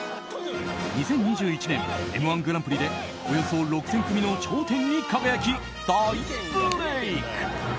２０２１年「Ｍ‐１グランプリ」でおよそ６０００組の頂点に輝き大ブレーク。